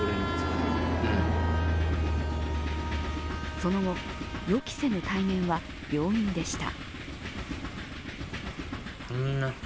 その後、予期せぬ対面は病院でした。